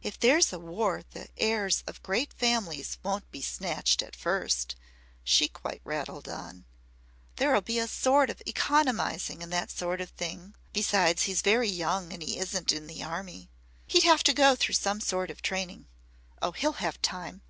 "If there's a war the heirs of great families won't be snatched at first," she quite rattled on. "There'll be a sort of economising in that sort of thing. Besides he's very young and he isn't in the Army. He'd have to go through some sort of training. Oh, he'll have time!